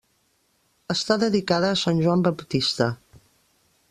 Està dedicada a Sant Joan Baptista.